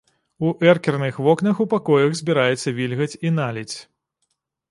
У эркерных вокнах у пакоях збіраецца вільгаць і наледзь.